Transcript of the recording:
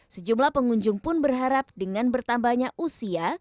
sejumlah pengunjung pun berharap dengan bertambahnya usia